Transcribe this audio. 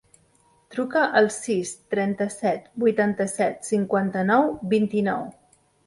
Truca al sis, trenta-set, vuitanta-set, cinquanta-nou, vint-i-nou.